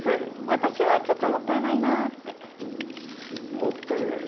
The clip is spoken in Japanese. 私はちょっともったいないなってもったいない？